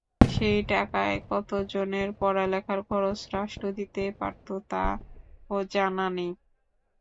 সেই টাকায় কতজনের পড়ালেখার খরচ রাষ্ট্র দিতে পারত, তা-ও জানা নেই।